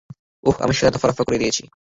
ওহ, আমি সেটার দফারফা করে দিয়েছি।